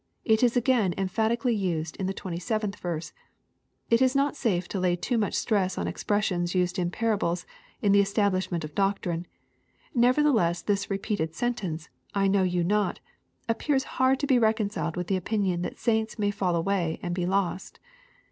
It is again emphatically used in the 27th verse. It is not safe to lay too much stress on expressions used in parables in the estabhshment of doc trine. Nevertheless this repeated sentence, " I know you not," appears hard to be reconciled with the opinion that sainta may fall away and be lost.